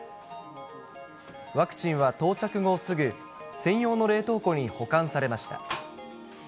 ワクチンは到着後すぐ、専用の冷凍庫に保管されました。